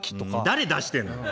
誰出してんの。